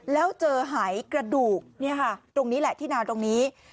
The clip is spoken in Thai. แล้วเจอหายกระดูกตรงนี้แหละที่นาตรงนี้